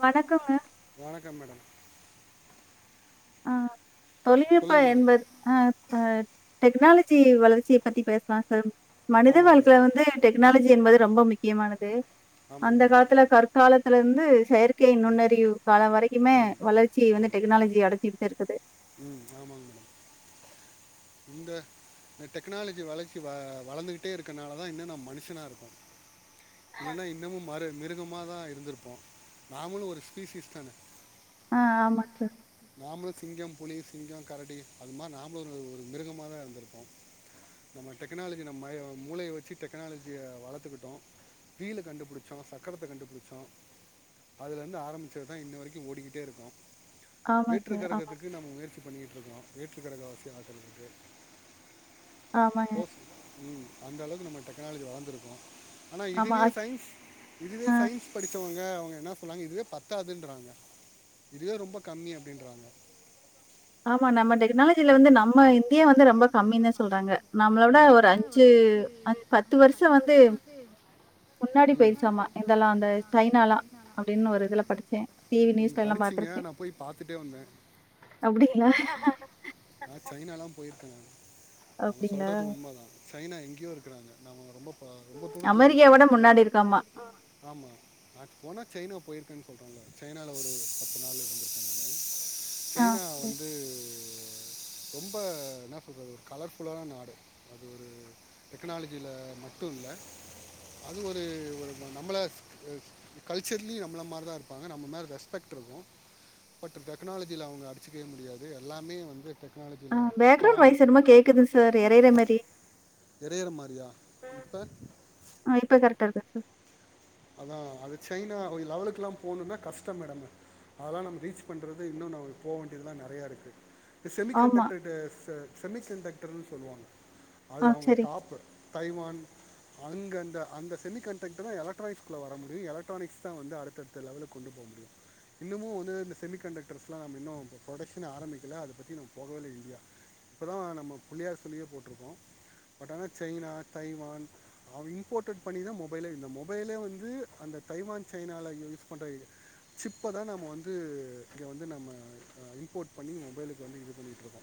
வணக்குங்க வணக்கம் மேடம் ஆ தொழிப்ப சொல்லுங்க மேடம் என்பத் ஆ அ டெக்னாலஜி வளர்ச்சிய பத்தி பேசலா சார் மனித ஆமாம் வாழ்க்ல மேடம் வந்து டெக்னாலஜி என்பது ரொம்ப முக்கியமானது ஆமாங்க அந்த மேடம் காலத்தல கற்காலத் லந்து செயற் கே ம் நுண்ணறிவு கால வரைக்குமே ம் வளர்ச்சி வந்து டெக்னாலஜி அடு ப்தே இருக்குதே உம் ஆமாங்க இந்த டெக்னாலஜி வளர்ச்சி வ வளந்துகிட்டே இருக்கனால தா இன்னு நா மனுஷனா இரு [inaudible] இல்லன்னா இன்னமு மர மிரு குமாதா இருந்திருப்போ நாமளு ஒரு ஸ்பீஷீஸ் தான ஆ ஆமா சார் சிங்கம் புலி சிங்கோ கரடி அது மார் நாமொரு மிருகமாதா இருந்திருப்போ நம்ம டெக்னாலஜி நம்மயோ மூளைய வச்சு டெக்னாலஜிய வளத்துக்கிட்டோ வீல கண்டுபிடிச்சோ சக்கரத்த கண்டுபிடிச்சோ அதுலந்து ஆரம்பிச்சதுதா இன்ன வரைக்கு ஓடிக்கிட்டே இருக்கோ ஆமா சார் ஆமா நம்ம முயற்சி பண்ணிட்டுருக்கோ வேற்றுக்கர வாசியா ஆகரதுக்கு ஆமாங்க. ஓ உம் அந்த அளவுக்கு நம்ம டெக்னாலஜி வளந்துருக்கோ ஆனா ஆமா. இதுவே அ சைன்ஸ் இதுவே ஆ சைன்ஸ் படிச்சவங்க க அவுங்க என்னா சொல்றாங்க இதுவே பத்தாதுன்றாங்க இதுவே ரொம்ப கம்மி அப்டின்றாங்க ஆமா நம்ம டெக்னாலஜில வந்து நம் மா இந்தியா வந்து ரொம்ப கம்மிந்த சொல்றாங்க நம்ள விட ஒரு அஞ்சு அஞ் பத்து வருஷ வந்து முன்னாடி போய்ருச்சாமா போயிருக்காமா இதெல்லா அந்த அப்பெல்லாம் சைனாலா சைனாலாம் அப்டின்னு ஒரு இதுல அப்படின்னு படிச்சே இதில் டிவி படிச்சேன் நீங்கள் நியூஸ்லலா படிச்சீங்க பாத்திருக்கே அப்டிங்களா போயிருக்காங்க அவுங்க அப்படிங்களா? சொல்றது உண்ம தா சைனா எங்யோருக்குறாங்க நம்மள ரொம்பப் அ ரொம்ப தூரத்துலருக்கோ அமெரிக்காவோட முன்னாடி இருக்காமா. ஆமா அ பொனக் சைனா போயிருக்கே சொல்றாங்க சைனால ஒரு பத்து நாளு இருந்துருக்கே நானு ஆ. சைனா சரி. வந்து ரொம்ப என்னா சொல்றது ஒரு கலர்ஃபுல்லானனாடு அது ஒரு டெக்னாலஜியில மட்டு இல்ல அது ஒரு ஒரு நம்மள க்-கல்ச்சர்லயு நம்ள மாரிதா இருப்பாங்க நம்ம மேல ரெஸ்பெக்ட்ருக்கு பட் டெக்னாலஜியில அவுங்க அடிச்சக்கவே முடியாது எல்லாமே வந்து டெக் ஆ க்னாலஜியில பேக்கிரவுண்ட் வாய்ஸ் ஸ்டராங்க் என்னமோ கேட்குது சார் இரையிற மாரி. எறையுற மாறியா இப்ப ஆ இப்ப கரெக்ட்டா இருக்கா சார் அதா அது சைனா ஒரு லெவலுக்லா போணும்னா கஷ்டோ மேடம் அதலா நம்ம ரீச் பண்றது இன்னு நம்ம போவேண்டியதுலா நெறையாருக்கு செமி ஆமா. கண்டக்டர்ட்டு ச செமிக் சென்டக்டருன் சொல்லுவாங்க அது ஆ அவுங்க சரி. டாப்பு தைவான் அங்க அந்த அந்த செமிகண்டக்டரு எ எலக்ட்ராஸ்க்குள்ள வரமுடியு எலக்ட்ரானிக்ஸ் தா வந்து அடுத்தடுத்த லெவலுக்கொண்டு போ முடியு இன்னமு வந்து இந்த செமி கண்டக்டர்ஸ்லா மின்னு ப்ரொடக்க்ஷன ஆரம்பிக்கல அத பத்தி நம் போக [unintelligible] இப்பதா நம்ம புள்ளையார் சுழியே போட்ருக்கோ பட் ஆனா சைனா தைவான் அ இம்போர்டட் பண்ணிதா மொபைலே இன்னுமும் மொபைலே வந்து அந்த தைவான் சைனால யூஸ் பண்ற சிப்ப தா நாம வந்து இங்க வந்து நம்ம அ இம்போர்ட் பண்ணி மொபைலுக்கு வந்து இது பண்ணிட்ருக்கோ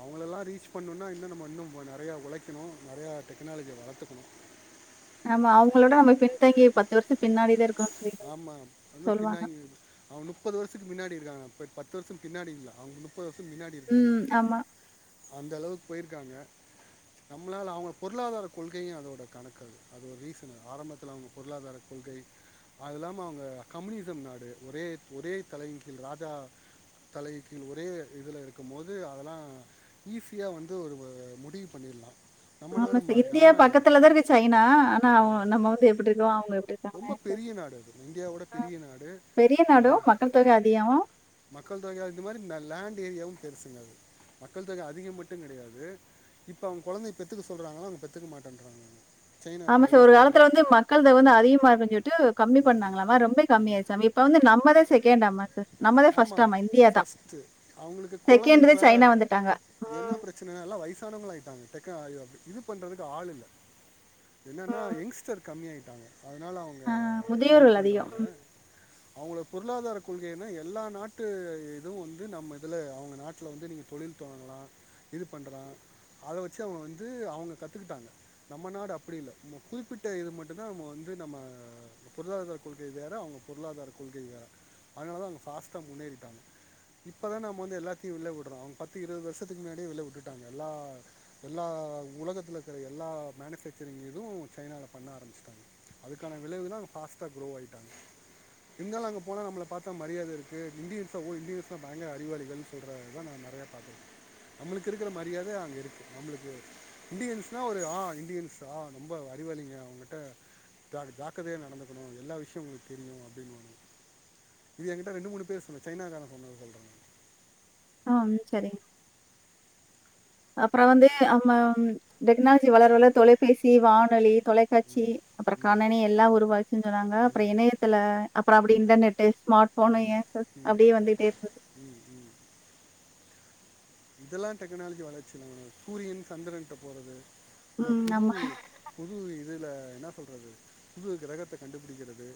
அவுங்களெல்லா ரீச் பண்ணுனா இன்னு நம்ம இன்னு நெறையா ஒழைக்கணு நெறையா டெக்னாலஜிய வளத்துக்கணு ஆமா அவுங்களோட நம்ம பின்தங்கி பத்து வருஷோ பின்னாடிதா இருக் ஆமா [unintelligible] பின்னாங்கி அவ முப்பது வருசுக்கு பின்னாடி இருக்காங்க ப பத்து வருஷோ பின்னாடி இல்ல அவுங் முப்பது வருஷோ மின்னாடி இருக்கறாங்க ம். ஆமா. அந்தளவுக் போயிருக்காங்க நம்ளால அவங் பொருளாதார கொள்கைய அதோட கணக்கது அது ஒரு ரீசன் ஆரம்பத்துல அவுங்க பொருளாதார கொள்கை அதுல்லாம அவுங்க கம்னீசம் நாடு ஒரே ஒரே தலையின் கீழ் ராஜா தலை கீழ் ஒரே இதுல இருக்குமோது அதெல்லா ஈஸியா வந்து ஒரு முடிவு பண்ணிர்லா ஆமா சார் இந்தியா பக்கத்துலதா இருக்கு சைனா ஆனா அவுங்க நம்ம வந்து எப்படி இருக்கோம் அவுங்க எப்படி ரொம்ப இருக்காங்க. பெரிய நாடு அது இந்தியாவோட பெரிய நாடு பெரிய அ நாடும், மக்கள் தொகை அதிகம். மக்கள் தொகைய அதற்கேத்த மாதிரி லேண்ட் ஏரியா டன்னு பெருசுங்க அது மக்கள் தொகை அதிகம் மட்டு கெடையாது இப்ப அவுங்க கொழந்தை பெத்துக்க சொல்றாங்கலா ஆனா அவுங்க பெத்துக்க மாட்டேன்றாக ஆமா சார் ஒரு காலத்துல வந்து மக்கள் தொகை வந்து அதிக மார்கு சொல்லிட்டு கம்மி பண்ணாங்களாமா ரொம்ப கம்மி ஆயிருச்சாம்மா இப்ப வந்து நம்மேளே செ ஆமா தான். ஃபர்ஸ்ட் அவுங்களுக்கு கொழந்தை செகண்டு இப்ப சைனா வந்துட்டாங்க. என்ன ம், பிரச்சனைன்னா எல்லா வயசானவங்களா ஆயிட்டாங்க டெஙக்கா இது பண்றதுக்கு ஆள் இல்ல என்னன்னா ம். யங்ஸ்டர் கம்மியாகிட்டாங்க அதனால அவுங்க ஆ இதுக்கு முதியோர்கள் அதிகம். பண்றாங்க ம். அவுங்களுக்கு பொருளாதார கொள்கைன்னா எல்லா நாட்டு இதுவு வந்து நம்ம இதுல அவுங்க நாட்டுல வந்து நீங்கள் தொழில் தொடங்கலா இது பண்டறா அத வெச்சு அவுங்க வந்து அவுங்க கத்துக்கிட்டாங்க நம்ம நாடு அப்பிடி இல்ல ஒரு குறிப்பிட்ட இது மட்டுதா நம்ம வந்து நம்ம பொருளாதாரகொள்கை வேறே அவுங்க பொருளாதார கொள்கை வேறே அதனால தா அவுங்க ஃபாஸ்ட்டா முன்னேறிட்டாங்க இப்பதா நம்ம வந்து எல்லாத்தையு உள்ளே உடுறோ அவுங்க பத்து இருபது வருஷத்துக்கு முன்னாடியே உள்ளே விட்டுட்டாங்க எல்லா எல்லா உலகத்தில் இருக்கிற எல்லா மேனுஃபேக்சரிங் இதுவு சைனாவுல்ல பண்ண ஆரம்பிச்சிட்டாங்க அதுக்கான விளைவு தா அங்க ஃபாஸ்ட்டாக க்ரோ ஆகிட்டாங்க இருந்தாலும் அங்க போனால் நம்மள பாத்தா மரியாதை இருக்கு இண்டியன்ஸா ஓ இந்தியன்ஸ்னா பயங்கர அறிவாளிகள்னு சொல்றத தா நா நறையா பாத்துருக்க நம்மளுக்கு இருக்கற மரியாதை அங்கருக்குது நம்மளுக்கு இண்டியன்ஸ்னா ஒரு ஆ இந்தியன்ஸ் ஆ ரொம்ப அறிவாளிங்க அவுங்கிட்டா ஜாக்கிரதையாக நடந்துக்கணு எல்லா விஷயமும் அவுங்களுக்கு தெரியு அப்டின்னுவாங்க இது எங்கிட்டே ரெண்டு மூணு பேர் சொல்லிட்டாங்க சைனாக்காரன் சொன்னது இதெல்லா சொல்றே ஆம் சரிங்க அப்புறோ வந்து நம்ம டெக்னாலஜி வளர வளர தொலைபேசி வானொலி தொலைக்காட்சி அப்புறம் ம் கணனி எல்லாம் உருவாச்சுங்கறாங்க அப்புறம் இணையத்துல அப்புறம் அப்படி இன்டர்நெட் ஸ்மார்ட் ஃபோனு ம் ஏன் சஸ் ம் அப்படியே வந்துட்டே இருக்கு ம் ம் இதெல்லாம் டெக்னாலஜி வளர்ச்சிம் சூரியன் சந்திரன்ட்ட போறது ந ம் புது ஆமா. புது இதில என்ன சொல்றது புது கிரகத்தை கண்டுபிடிக்கிறது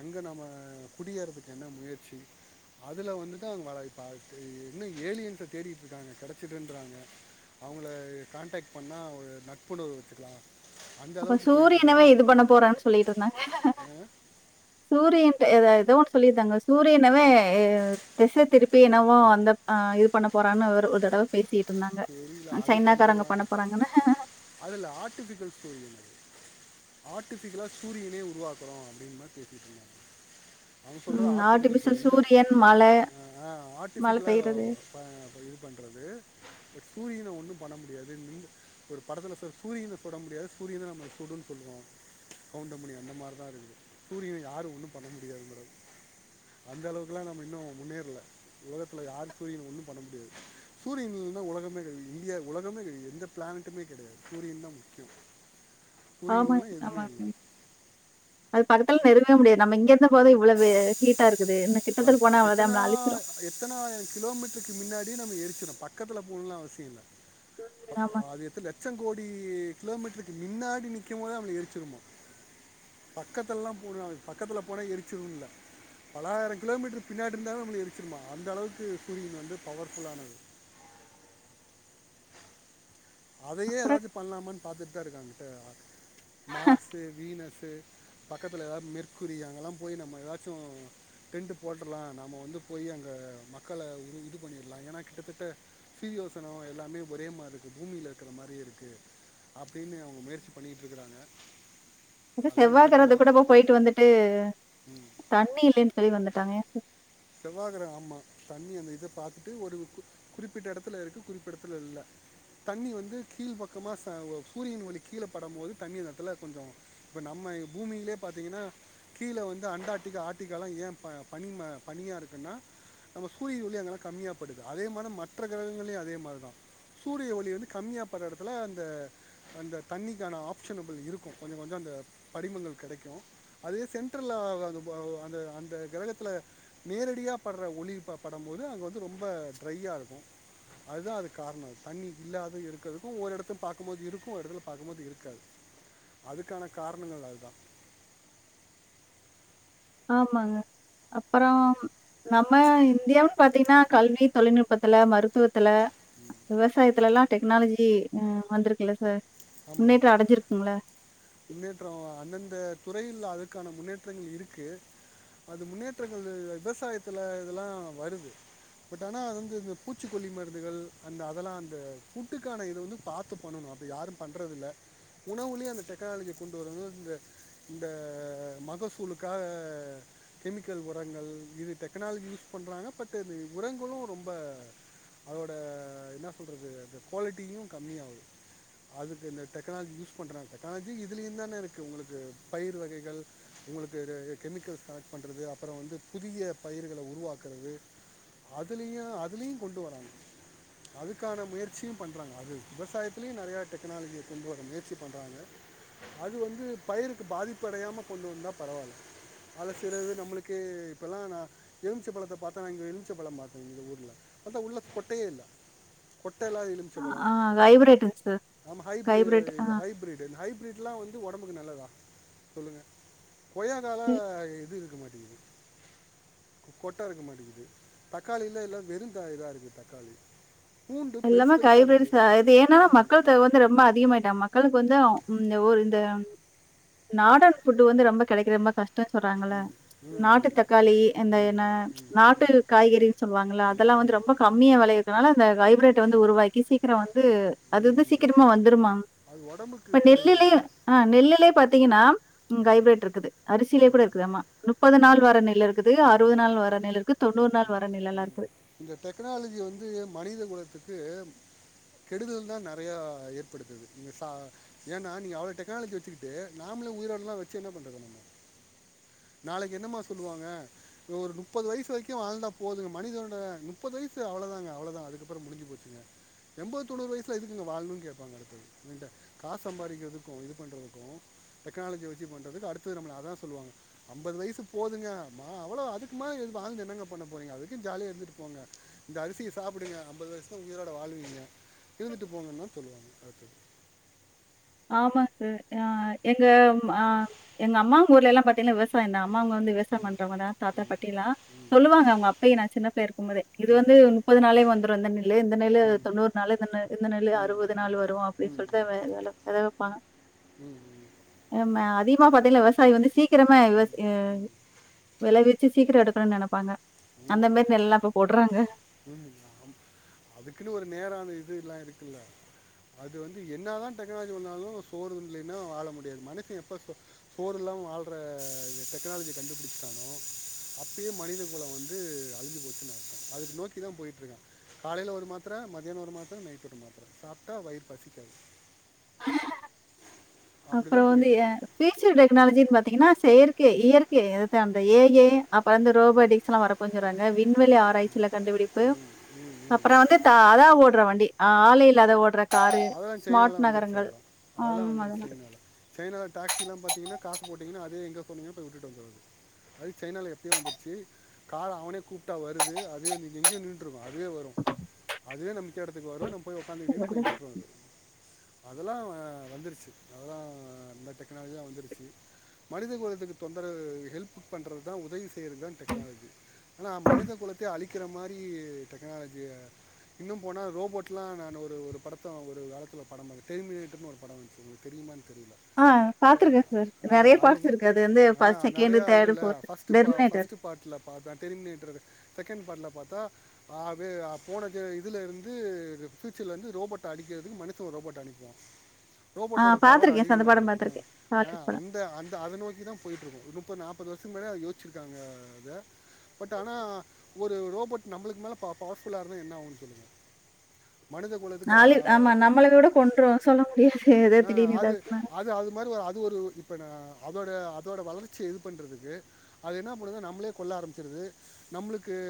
அங்கே நம்ம குடியேறதுக்கு என்ன முயற்சி அதில வந்துட்டு தான்ங்க இப்ப என்ன ஏலியன்ஸ தேடி க்காங்க கிடச்சிடுறாங்க அவங்கள கான்டேக்ட் பண்ணா ஒரு நட்புணர்வு வெச்சுக்கலாம் அப்ப சூரியனவே இது பண்ண போறான் சொல்லிட்டு இருந்தாங்க ஏன்னா சூரியன் ஏதோ ஒன்ன சொல்லியிருந்தாங்க சூரியனவே திசை திருப்பி என்னவோ இது பண்ண போறாங்க ஒரு தடவ பேசிட்டு இருந்தாங்க. தெரில அஹ், அது சைனாக்காரங்க பண்றதுலாம் பண்ண போறாங்கன்னு. அதுல ஆர்டிபிகல் ஸ்டோரி ஆர்ட்டிபிகலா சூரியனே உருவாக்குறோம் அப்படின் மாதிரி பேசிட்டு இருந்தாங்க அவங்க சொல்றது ம் ஆர்ட்டிஃபிகல் ஆர்டிபிஷியல் சூரியன் இது மழை, மழை பெய்றது. ஆர்ட்டிஃபிகலாக இது பண்ணுறது சூரியனை ஒன்னும் பண்ண முடியாது ஒரு படத்துல ச சூரியனை தொட முடியாது சூரியன் நம்ம சுடும்ன்னு சொல்லுவாரு கவுண்டமணி அந்த மாதிரிதான் இருக்கு சூரியன யாரும் ஒன்னும் பண்ண முடியாது மட அந்த அளவுக்குெல்லாம் நம்ம இன்னும் முன்னேறல உலகத்துல யும் சூரியன ஒண்ணும் பண்ண முடியாது சூரியன் உலகமே கழிவி இந்தியா உலகமே கவி எந்த பிளானட்டுமே கெடையாது சூரியன் தான் முக்கியம் [unintelligible] சூரியன் ஆமா இல்லைன்னா எதுவுமே ஆமாங் இல்லை அது பக்கத்துல நெருங்கவே முடியாது நம்ம இங்கே இருந்த போதே இவ்வளவு ஹீட்டா இருக்கு அது எத்தனாயிர எத்தனாயிரம் கிலோமீட்டருக்கு முன்னாடி நம்மள எரிச்சிரும் பக்கத்தில போணும்லா அவசியம் இல்ல ஆமாங்க. அது [unintelligible] லட்சம் கோடி கிலோமீட்டருக்கு மின்னாடி நிற்கும் போதே அது எரிச்சிரும் பக்கத்துலேயெல்லாம் போகணும் அவசியபக்கத்துல போனால் எரிச்சிருமில்லே பலாயிரம் கிலோமீட்டரு பின்னாடி இருந்தாலும் நம்ம எரிச்சிருமா அந்தளவுக்கு சூரியன் வந்து பவர்ஃபுல்லானது அதையே அப்புறம் ஏதாச்சும் பண்ணலாமானு பாத்துட்டு உத்தர [unintelligible] மார்ஸ் வீனஸீ பக்கத்தில ஏதாவது மெர்குரி அங்கல்லாம் போய் நம்ம ஏதாச்சும் டென்ட் போட்டுலாம் நாம வந்து போய் அங்கே மக்கள இ இது பண்ணிடலாம் ஏன்னா கிட்டத்தட்ட சீரியோசனம் எல்லாமே ஒரே மாரி இருக்குது பூமியில இருக்கிற மாதிரி இருக்கு அப்படின்னு அவங்க முயற்சி பண்ணிட்டு இருக்கறாங்க இப்ப செவ்வாய் கிரகத்துக்கு கூட இப்ப போயிட்டு வந்துட்டு தண்ணி இல்லன்னு சொல்லி வந்துட்டாங்க செவ்வாய் கிரகம் ஆம்மா தண்ணி அந்த இத பார்த்துட்டு ஒரு கு குறிப்பிட்ட இடத்துல இருக்கு குறிப்பிட்ட இடத்துல இல்ல தண்ணி வந்து கீழ் பக்கமா சூரியன் ஒலி கீழ படும் போது தண்ணி இடத்துல கொஞ்சம் இப்ப நம்ம பூமியிலயே பாத்தீங்கன்னா கீழே வந்து அண்டார்ட்டிகா ஆர்க்டிகா எல்லாம் ஏன் பனி பனியா இருக்குன்னா நம்ம சூரிய ஒளி அங்கெல்லாம் கம்மியாப்படுது அதே மாதிரி மற்ற கிரகங்கள்லயும் அதே மாதிரி தான் சூரிய ஒளி வந்து கம்மியாக படுற எடத்துல அந்த அந்த தண்ணிக்கான ஆப்ஷனபிள் இருக்கும் கொஞ்சம் கொஞ்சம் அந்த படிமங்கள் கெடைக்கும் அதே சென்ட்ரல அந்த அந்த அந்த கிரகத்தில் நேரடியா படுற ஒளிபடும்போது அங்கே வந்து ரொம்ப ட்ரையாக இருக்கும் அதுதான் அதுதான் காரணம் அது தண்ணி இல்லாத இருக்கிறதுக்கும் ஒரு எடத்துல பாக்கும்போது இருக்கும் ஒரு எடத்துல பார்க்கும்போது இருக்காது அதுக்கான காரணங்கள் அது தான் ஆமாங்க அப்புறம் நம்ம இந்தியாவ பாத்தீங்கன்னா கல்வி தொழில்நுட்பத்துல மருத்துவத் துல விவசாயத்துல எல்லாம் டெக்னாலஜி ம் வந்திருக்குல்ல சார் ஆமா முன்னேற்ற அடஞ்சிருக்குங்கள முன்னேற்றோம் அந்தந்த துறையில் அதுக்கான முன்னேற்றங்கள் இருக்கு அது முன்னேற்றங்கள் விவசாயத்தில் இதெல்லாம் வருது பட் ஆனா அது வந்து இந்த பூச்சிக்கொல்லி மருந்துகள் அந்த அதெல்லாம் அந்த ஃபுட்டுக்கான இத வந்து பார்த்து பண்ணணும் அப்டி யாரும் பண்றதில்ல உணவுலே அந்த டெக்னாலஜிய கொண்டு வர இந்த இந்த மகசூலுக்காக கெமிக்கல் உரங்கள் இது டெக்னாலஜி யூஸ் பண்ணுறாங்க பட்டு் அ உரங்களும் ரொம்ப அதோடய என்ன சொல்றது அந்த குவாலிட்டியும் கம்மியாகுது அதுக்கு இந்த டெக்னாலஜி யூஸ் பண்றாங்க டெக்னாலஜி இதுலயு தானே இருக்கு உங்களுக்கு பயிர் வகைகள் உங்களுக்கு கெ கெமிக்கல்ஸ் கனெக்ட் பண்றது அப்பறொ வந்து புதிய பயிர்கள உருவாக்குறது அதுலயு அதுலயு கொண்டு வராங்க அதுக்கான முயற்சியும் பண்றாங்க அது விவசாயத்திலயு நெறைய டெக்னாலஜிய கொண்டு வர முயற்சி பண்றாங்க அது வந்து பயிருக்கு பாதிப்பு அடையாம கொண்டு வந்தா பரவால்ல அதுல சிலது நம்மளுக்கே இப்போல்லா நா எலுமிச்ச பழத்த பாத்தானா இங்கே எலுமிச்ச பழம் பார்த்தேங்க இந்த ஊர்ல அந்நிய உள்ள கொட்டையே இல்ல அ ஆஹ் வைப்ரேட்டுங் சார் ஆமா ஹைபிரி ஹைப்ரேட் ஆ இது ஹைபிரிட் ஹைபிரிட்லா வந்து ஒடம்புக்கு நல் ல்லதா சொல்லுங்க கொய்யாக்கால ம். இது இருக்க மாட் கொட்ட இருக்க மாட்டேங்குது தக்காளில்ல எல்லா வெறும் இதா இருக்கு தக்காளி பூண்டு பெருசு எல்லாமே பெருசாக இருக்குது கைபிரிஸ்தா இது ஏன்னனா ஆமாம் மக்கள் தேவ வந்து து ரொம்ப அதிகமாயிட்டா மக்களுக்கு வந்து ம் இந்த ஒரு இந்த நாடன் ஃபுட் வந்து ரொம்ப கெடைக்குற ரொம்ப கஷ்ட் டொ சொல்றாங்கள ம் ம் நாட்டு ம் தக்காளி இந்த ம் என்ன ம் ம் ப்ச் நாட்டு ம் காய்கறின்னு சொல்லுவாங்கள அதெல்லா வந்து ம் ரொம்ப கம்மியா வெளைய துனால அந்த ஹைபிரட் ட் வந்து உருவாக்கி சீக்கிர வந் து ம் அது ம் வந்து ம் சீக்கிரமா வந்துருமாம் அது உடம்புக்கு இப்ப கெடுதல் நெல்லுலே அது அ நெல்லுலே பாத் த்தீங்கன்னா உம் ம் ஹைப்ரட் இருக்குது அரிசிலே கூட ம் இருக்குது ஆமா முப்பது நாள் ஆமாம் வர நெல் இருக்குது ஆ அறுவது நாள் வர நெல் இருக்கு ம் தொண்ணூறு நாள் ம் வர நெல் எல்லா ம் இருக்குது கு கெடுதல்தா நெறயா ஏற்படுத்துது [unintelligible] ஏன்னா நீங்க அவ்ளோ டெக்னாலஜி வச்சுக்கிட்டு நாமளு உயிரோ இதலா வச்சி என்ன பன்றது நம்ம நாளைக்கு என்னமா சொல்லுவாங்க இவன் ஒரு முப்பது வயசு வரைக்கு வாழ்ந்தா போதுங்க மனிதனுட முப்பது வயசு அவ்ளோதாங்க அவ்ளோதா அதுக்கப்பறொ முடிஞ்சு போச்சுங்க எம்பது தொண்ணூறு வயசுலா எதுக்குங்க வாழனுனு கேப்பாங்க அடுத்தது இந்த காசு சம்பாரிக்ரதுக்கும் இதுபன்றதுக்கும் டெக்னாலஜி வச் ச்சி பண்றதுக்கு அடுத்து நம்மள அதா சொல்லுவாங்க அம்பது வயசு போதுங்க மா அவ்ளோ அதுக்கு மேல எதுக் வாழ்ந்து என்னங்க பண்ண போறீங்க அதுக்கு ஜாலியா இருந்துட்டு போங்க இந்த அரிசிய சாப்புடுங்க அம்பது வயசுதா உயிரோட வாழ்வீங்க இருந்துட்டு போங்கன்னா சொல்லுவாங்க அடுத்தது ஆமாங் சார் ஆஹ் எங்க ம் ஆஹ் எங்க அம்மம் ஊர்லல்லா பாத்தீங்கன்னா விவசாயந்தா அம்மாவுங்க வந்து விவசாயம் ம் பண்றவங்கதா தாத்தா பாட்டி எல்லா ம் சொல்லுவாங்க அவங்க அப்பையே நா சின்ன பிள்ளயா இருக்கும் போதே இது ம் ம் வந்து முப்பது நாளே வந்துடு இந்த நெல்லு இந்த நெல்லு ம் ம் தொண்ணூறு நாள் இந்த நெ இந்த நெல்லு ம் அறுபது நாள் வரும் அப்படின்னு ம் சொல்லித வே வேல அதா வப்பாங்க ம் ம் ம் எம அதயு வா பாத்தீங்களா வெவசாயி வந்து சீ க்கிரம விவச இ வெளவி ச்சு சீக்கரொ எடுக்கணுனு நெனப்பாங்க அந்த மாரி நெல்லா இப்ப போடுறாங்க உம் ஆமா அதுக்குன்னு ஒரு நேரொ அந்த இதுல்லா இருக்குல்ல அது வந்து என்னதா டெக்னாலஜி வந்தாலு சோறு இல்லைன்னா வாழ முடியாது மனுஷ எப்ப சோ சோறு இல்லாம வாழ்ற டெக்னாலஜிய கண்டுபிடிச்சிட்டனோ அப்பயே மனித கொலம் வந்து அழிஞ்சு போச்சுன்னர்த்தோ அத நோக்கி கிதா போயிட்டுருக்கா காலைல ஒரு மாத்தர மதியான ஒரு மாத்தர நைட் ஒரு மாத்தர சாப்ட்டா வயிறு பசிக்காது அப்படி அப்பறொ தான் வந்து ஏ போயிட்டுருக்கு ஃப்யூச்சர் டெக்னாலஜின் பாத் தீங்கனா செயற்கே இயற்கே அதுதா அந்த ஏ ஐ அப்பறொ இந்த ரோபோடிக்ஸ்ல்ல வர [unintelligible] வி ண்வெளி ஆராய்ச்சில கண்டுபிடிப்பு ம் ம் ம் அப்பறொ வந்து தா அதா ஓடுற வண்டி ஆ ஆளே இல்லாத ஓடற அதல்லா செயினாலாலா வந்துருச்சு அதெல்லா அதெல்லா ஆம் வந்துருச்சு அதெல்லாம். சைனால சைனால டாக்ஸிலா பாத்தீங்னா காசு போட்டீங்கனா அதுவே எங்க போணுமியோ போய் விட்டுட்டு வந்துரு அது சைனால எப்பயோ வந்துருச்சு கார் அவனே கூப்டா வருது அது எங்கேயோ நின்னுட்ரு அதுவே வரு அதுவே நம்ம நிக்குற எடத்துக்கு வரு நம்ம போய் உக்காந்துகிட்டிங்கன்னா போய் விட் அதெலாம் வந்துருச்சு அததான் இந்த டெக்னாலஜி தான் வந்துருச்சு மனித குலத்துக்கு தொந்தர ஹெல்ப் பண்றது தான் உதவி செய்யறதுதான் டெக்னாலஜி ஆனா மனித குலத்த அழிக்கிற மாரி டெக்னாலஜி இன்னும் போனா ரோபோட்லாம் நான் ஒரு படத்தை ஒரு காலத்துல படம் டெரிமிநாட்டர் ஒரு படம் வந்துச்சு உங்களுக்கு தெரியுமா தெரியல ஆ பார்த்துருக்கேன் சார். அ நெறைய அது பார்ட்ஸ் இருக்கு. வந்து ஃபர்ஸ்ட், செகண்ட், நறய தேர்டு, இருலல ஃபோர்த். அது பஸ்ட் டெர்மினேட்டர். ஃபர்ஸ்ட் பார்ட்ல பார்த்தேன் டெர்மினேட்டர் செகன்ட் பார்ட்ல பார்த்த ஆ அது போன இதுல இருந்து பியூச்சர்லருந்து ரோபோட் அடிக்கிறதுக்கு மனுசன் ஒரு ரோபோட் அனுப்புவா ஆ ரோபோட்டோட பவர் பார்த்துருக்கேன் சார். அந்த படம் அதிகமாயிரும் ம் பார்த்துருக்கேன். ஆ சாலிட் படம். அந்த அந்த அத நோக்கிதான் போயிட்டுருக்கும் இப்ப நாப து வருஷக்கு முன்னாட அத யோசிச்சுருக்காங்க அத பட் ஆனா ஒரு ரோபோட் நம்மளக்கு மேல பவர்புல்லருந்த என்னாவும் சொல்லுங் மனிதகு நாளயும் ஆமா நம்மள விட கொண்றும் சொல்ல முடியாது ஏதோ ஆ, அது திடீர்னுதாச்சனா அதோடய அதோட வளர்ச்சி இது பண்ணறதுக்கு அது என்ன பண்ணுது நம்மளே கொள்ள ஆரம்பிச்சருது நம்மளுக்கு